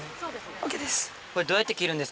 ＯＫです。